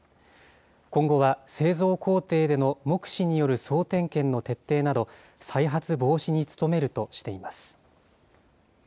今後は製造工程での目視による総点検の徹底など、再発防止に努め次です。